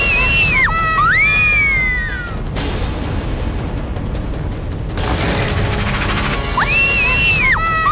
aduh ini tak apa apa